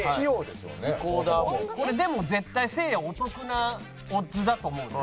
これでも絶対せいやお得なオッズだと思うな。